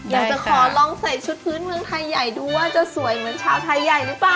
อยากจะขอลองใส่ชุดพื้นเมืองไทยใหญ่ดูว่าจะสวยเหมือนชาวไทยใหญ่หรือเปล่า